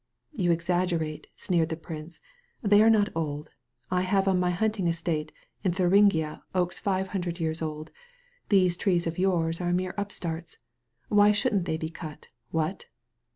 "You exaggerate," sneered the prince. "They are not old. I have on my hunting estate in Thu ringia oaks five hundred years old. These trees of yours are mere upstarts. Why shouldn't they be cut? What?"